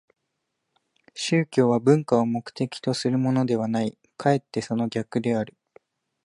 宗教は文化を目的とするものではない、かえってその逆である。